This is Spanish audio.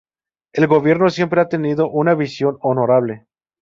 El Gobierno siempre ha tenido una visión honorable